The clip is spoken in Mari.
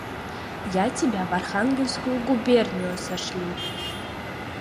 Я тебя в Архангельскую губернию сошлю!